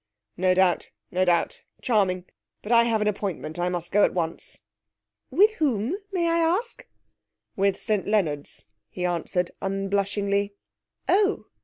'No doubt; no doubt. Charming! But I have an appointment; I must go at once.' 'With whom, may I ask?' 'With St Leonards,' he answered unblushingly. 'Oh!